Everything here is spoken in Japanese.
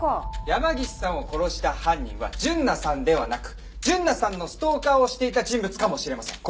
山岸さんを殺した犯人は純奈さんではなく純奈さんのストーカーをしていた人物かもしれません。